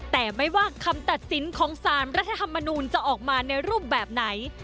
แต่ไม่ว่าคำตัดสินของสารรัฐธรรมนูลจะออกมาในรูปแบบไหน